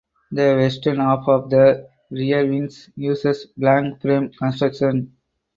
The western half of the rear wing uses plank frame construction.